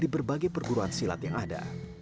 di berbagai perguruan silat yang ada